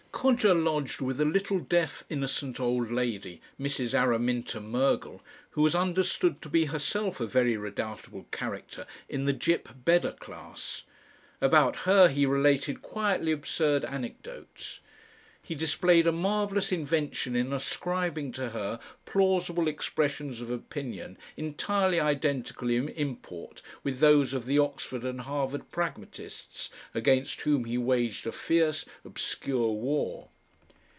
Codger lodged with a little deaf innocent old lady, Mrs. Araminta Mergle, who was understood to be herself a very redoubtable Character in the Gyp Bedder class; about her he related quietly absurd anecdotes. He displayed a marvellous invention in ascribing to her plausible expressions of opinion entirely identical in import with those of the Oxford and Harvard Pragmatists, against whom he waged a fierce obscure war....